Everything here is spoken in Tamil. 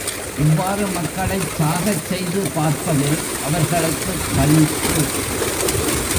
இவ்வாறு மக்களைச் சாகச் செய்து பார்ப்பதில் அவர்களுக்குக் களிப்பு.